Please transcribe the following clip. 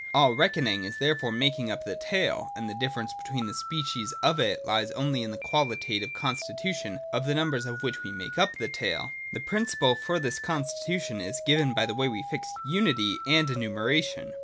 All reckoning is therefore making up the tale : and the difference between the species of it lies only in the qualitative constitution of the numbers of which we make up the tale. The principle for this constitution is given by the way we fix Unity and Annumeration.